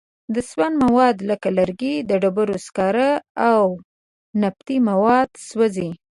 د سون مواد لکه لرګي، ډبرو سکاره او نفتي مواد سوځي.